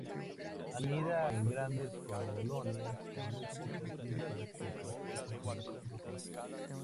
Anida en grandes colonias en muy pocas islas, las que poseen conformación rocosa.